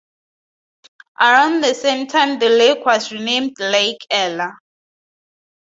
Around the same time the lake was renamed Lake Ella.